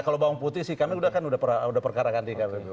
kalau bawang putih sih kami udah kan udah perkarakan dikabin dulu